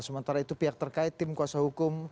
sementara itu pihak terkait tim kuasa hukum